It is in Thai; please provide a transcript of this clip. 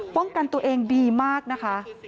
ป้องกันตัวเองดีมากนะคะ